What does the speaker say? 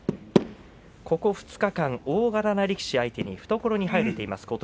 ここ２日間、大柄な力士を相手に懐に入れています